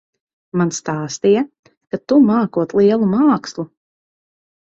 Man stāstīja, ka tu mākot lielu mākslu.